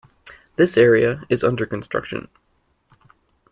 This area is under construction.